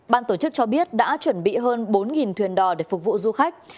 ban tổ chức cho biết đã chuẩn bị hơn bốn thuyền đò để phục vụ du khách